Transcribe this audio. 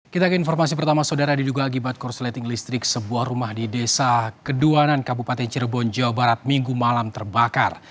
kita ke informasi pertama saudara diduga akibat korsleting listrik sebuah rumah di desa keduanan kabupaten cirebon jawa barat minggu malam terbakar